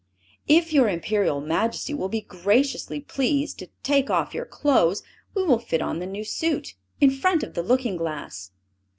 "If your Imperial Majesty will be graciously pleased to take off your clothes, we will fit on the new suit, in front of the looking glass."